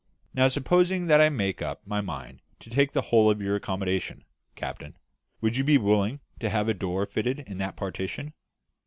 Now, supposing that I make up my mind to take the whole of your accommodation, captain, would you be willing to have a door fitted in that partition?